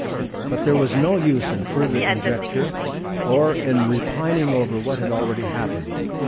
But there was no use in further conjecture or in repining over what had already happened.